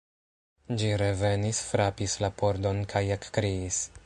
Ĝi revenis, frapis la pordon kaj ekkriis.